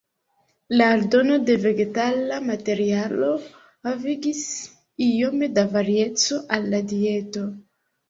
La aldono de vegetala materialo havigis iome da varieco al la dieto.